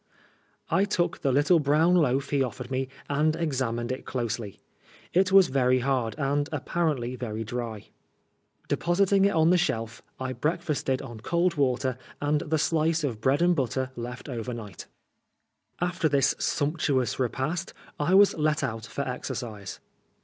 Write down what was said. I took the little brown loaf he offered me and examined it closely. It was very hard, and apparently very dry. Depositing it on the shelf, I brei^asted on cold water and the slice of bread and* butter left over night. After this sumptuous repast I was let out for exercise.